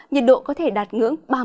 nhiệt độ có thể đạt ngưỡng ba mươi bốn độ